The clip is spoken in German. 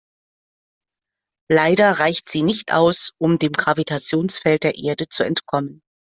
Leider reicht sie nicht aus, um dem Gravitationsfeld der Erde zu entkommen.